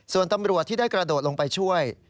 ส่วนตำรวจที่ได้กระโดดลงไปช่วย